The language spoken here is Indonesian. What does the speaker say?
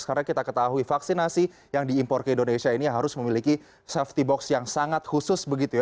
karena kita ketahui vaksinasi yang diimpor ke indonesia ini harus memiliki safety box yang sangat khusus